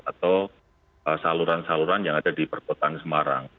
atau saluran saluran yang ada di perkotaan semarang